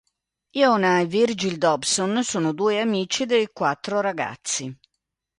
Iona e Virgil Dobson sono due amici dei quattro ragazzi.